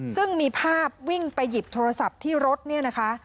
ซึ่งมีภาพวิ่งไปหยิบโทรศัพท์ที่รถเนี่ยนะคะ